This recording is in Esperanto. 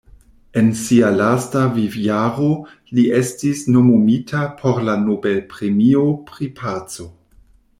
En sia lasta vivjaro li estis nomumita por la Nobel-premio pri paco.